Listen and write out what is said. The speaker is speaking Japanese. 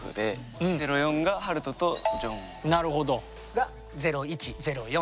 が０１０４。